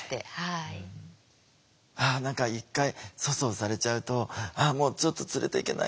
何か一回粗相されちゃうと「もうちょっと連れていけないかな。